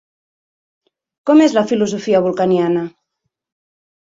Com és la filosofia vulcaniana?